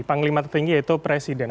panglima tertinggi yaitu presiden